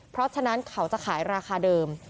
เพราะฉะนั้นเขาจะขายราคาเดิม